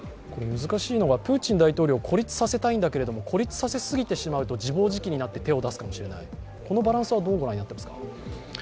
難しいのがプーチン大統領を孤立させたいんだけれども孤立させすぎてしまうと自暴自棄になってしまって手を出すかもしれない、このバランスはどうご覧になっていますか？